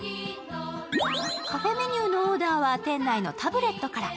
カフェメニューのオーダーは店内のタブレットから。